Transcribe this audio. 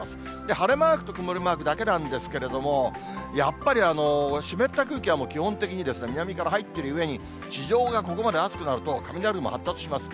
晴れマークと曇りマークだけなんですけども、やっぱり湿った空気は、基本的に南から入っているうえに地上がここまで暑くなると、雷雲発達します。